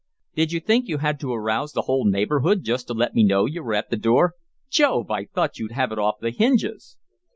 "Did you think you had to arouse the whole neighborhood just to let me know you were at the door? Jove! I thought you'd have it off the hinges."